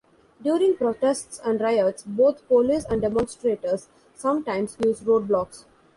During protests and riots, both police and demonstrators sometimes use roadblocks.